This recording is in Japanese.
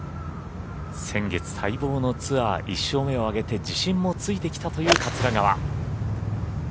先月待望のツアー１勝目を挙げて自信もついてきたという桂川。